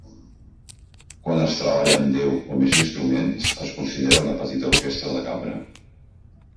Quan es treballa amb deu o més instruments, es considera una petita orquestra de cambra.